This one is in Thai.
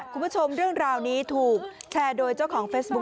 คุณผู้ชมเรื่องราวนี้ถูกแชร์โดยเจ้าของเฟซบุ๊